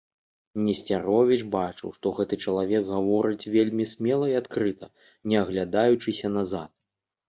Несцяровіч бачыў, што гэты чалавек гаворыць вельмі смела і адкрыта, не аглядаючыся назад.